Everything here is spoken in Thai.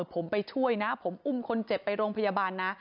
ผมไปช่วยนะผมอุ้มคนเจ็บไปโรงพยาบาลนะ